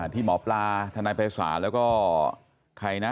ที่หมอปลาทนายภัยศาลแล้วก็ใครนะ